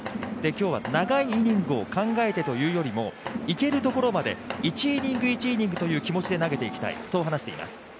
今日は長いイニングを考えてというよりもいけるところまで、１イニング、１イニングという気持ちで投げていきたい、そう話しています。